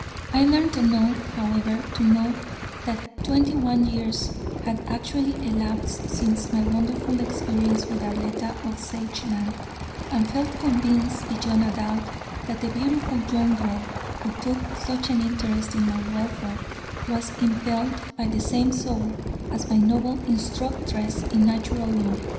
I learned enough, however, to know that twenty one years had actually elapsed since my wonderful experience with Arletta of Sageland, and felt convinced beyond a doubt that the beautiful young girl, who took such an interest in my welfare, was impelled by the same soul as my noble instructress in Natural Law.